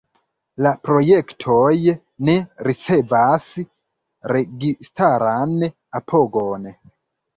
La projektoj ne ricevas registaran apogon.